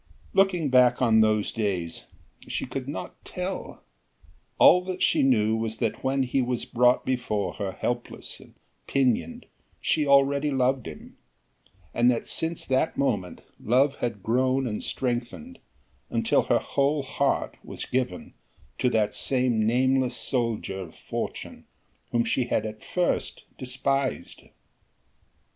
Looking back on those days, she could not tell. All that she knew was that when he was brought before her helpless and pinioned she already loved him, and that since that moment love had grown and strengthened until her whole heart was given to that same nameless soldier of fortune whom she had first despised.